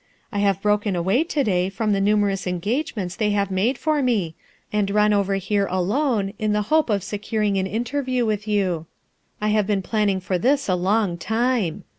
1 have broken away to day from the numerous engagements they have made for me, and run over here alone, in the hope of securing an interview with 5*ou; I have l>cen planning for this a long time.